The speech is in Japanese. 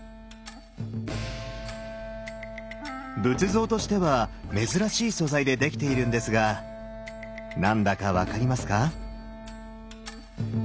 仏像としては珍しい素材で出来ているんですが何だか分かりますか？